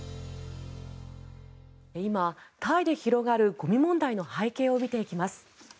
今、タイで広がるゴミ問題の背景を見ていきます。